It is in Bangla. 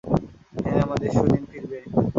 হ্যাঁ, আমাদের সুদিন ফিরবে।